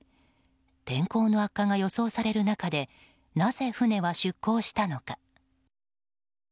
天候の悪化が予想される中でなぜ船は出港したのか。